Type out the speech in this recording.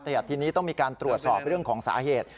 แต่ทีนี้ต้องมีการตรวจสอบเรื่องของสาเหตุ